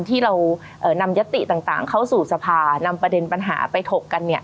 ที่เรานำยัตติต่างเข้าสู่สภานำประเด็นปัญหาไปถกกัน